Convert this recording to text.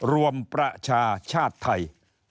รวมประชาชาติไทย